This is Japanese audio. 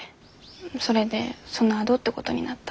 それでそのあとってごどになった。